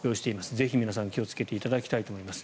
ぜひ皆さん気をつけていただきたいと思います。